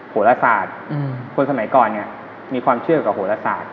โหลศาสตร์คนสมัยก่อนเนี่ยมีความเชื่อกับโหลศาสตร์